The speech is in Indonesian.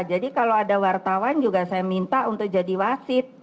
jadi kalau ada wartawan juga saya minta untuk jadi wasit